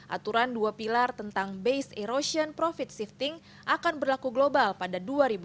aturan dua pilar tentang based erosion profit shifting akan berlaku global pada dua ribu dua puluh